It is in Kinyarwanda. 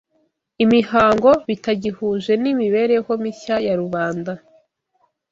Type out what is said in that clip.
imihango bitagihuje n’imibereho mishya ya rubanda